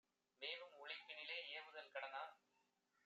மேவும் உழைப்பினிலே ஏவுதல் கடனா?